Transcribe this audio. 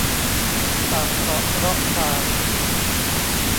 ปากเปราะเราะราย